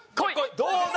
どうだ？